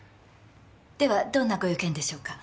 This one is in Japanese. ではどんなご用件でしょうか？